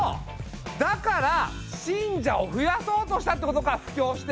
だから信者を増やそうとしたってことか布教して！